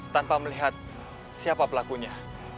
tanpa melihat siapa pelakunya